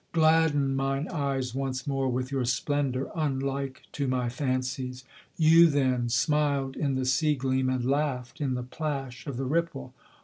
Gladden mine eyes once more with your splendour, unlike to my fancies; You, then, smiled in the sea gleam, and laughed in the plash of the ripple.